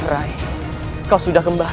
rai kau sudah kembali